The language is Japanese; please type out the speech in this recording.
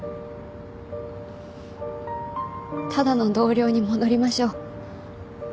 ただの同僚に戻りましょう。